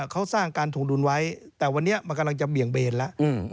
เขาสร้างการถวงดุลไว้แต่วันนี้มันกำลังจะเบี่ยงเบนแล้ว